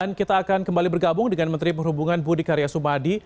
dan kita akan kembali bergabung dengan menteri perhubungan budi karya sumadi